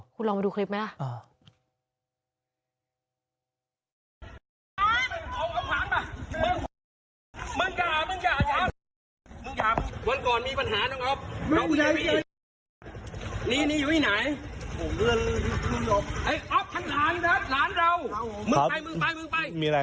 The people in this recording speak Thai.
คุณลองมาดูคลิปไหมนะ